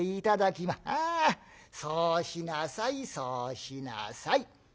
「ああそうしなさいそうしなさい。